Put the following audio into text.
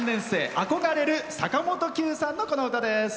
憧れる坂本九さんの、この歌です。